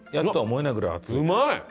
うまい！